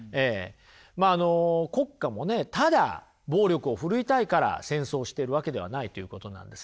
まあ国家もねただ暴力を振るいたいから戦争をしているわけではないということなんですね。